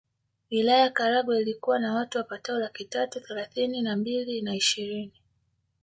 Wilaya ya Karagwe ilikuwa na watu wapatao laki tatu thelathini na mbili na ishirini